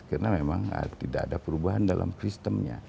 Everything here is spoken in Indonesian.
karena memang tidak ada perubahan dalam sistemnya